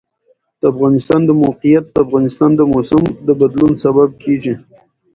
د افغانستان د موقعیت د افغانستان د موسم د بدلون سبب کېږي.